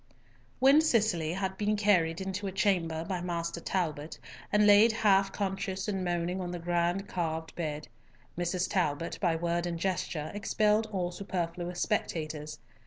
When Cicely had been carried into a chamber by Master Talbot, and laid half conscious and moaning on the grand carved bed, Mrs. Talbot by word and gesture expelled all superfluous spectators.